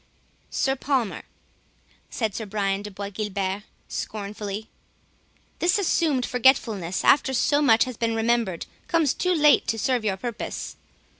"Sir Palmer," said Sir Brian de Bois Guilbert scornfully, "this assumed forgetfulness, after so much has been remembered, comes too late to serve your purpose.